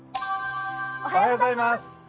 おはようございます。